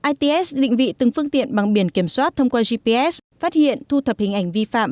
its định vị từng phương tiện bằng biển kiểm soát thông qua gps phát hiện thu thập hình ảnh vi phạm